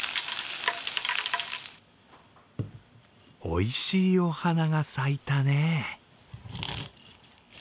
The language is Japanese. おいしいお花が咲いたね。